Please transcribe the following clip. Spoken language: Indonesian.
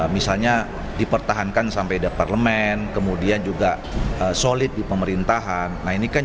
misalnya dipertahankan sampai ada parlemen kemudian juga solid di pemerintahan